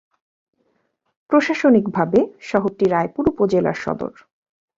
প্রশাসনিকভাবে শহরটি রায়পুর উপজেলার সদর।